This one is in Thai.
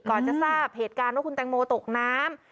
จะทราบเหตุการณ์ว่าคุณแตงโมตกน้ำ